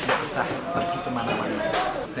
nggak usah pergi kemana mana